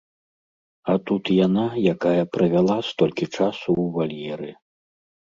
А тут яна, якая правяла столькі часу ў вальеры.